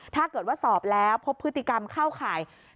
ถ้าเกิดว่าสอบแล้วพบพฤติกรรมเข้าข่าย